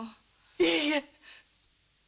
いいえ！